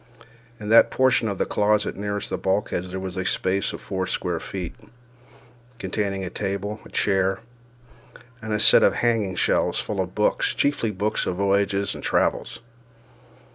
In that portion of the closet nearest the bulkheads there was a space of four feet square, containing a table, a chair, and a set of hanging shelves full of books, chiefly books of voyages and travels.